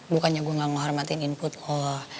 bukannya gue gak ngehormatin input lo